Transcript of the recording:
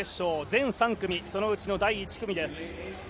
全３組そのうちの第１組です。